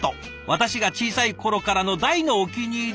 私が小さい頃からの大のお気に入り」。